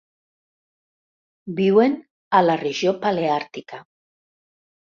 Viuen a la Regió Paleàrtica.